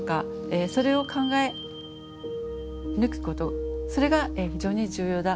それを考え抜くことそれが非常に重要だということです。